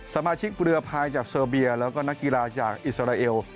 สมาชิกเรือภายจากเซอร์เบียแล้วก็นักกีฬาจากอิสราเอล